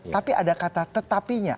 tapi ada kata tetapinya